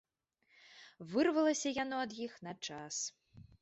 Вырвалася яно ад іх на час.